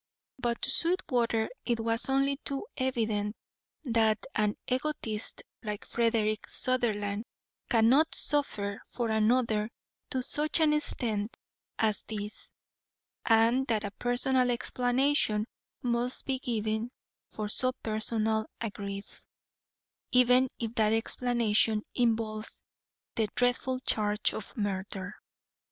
But to Sweetwater it was only too evident that an egotist like Frederick Sutherland cannot suffer for another to such an extent as this, and that a personal explanation must be given for so personal a grief, even if that explanation involves the dreadful charge of murder.